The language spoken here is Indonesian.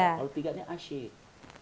kalau tiga ini asyik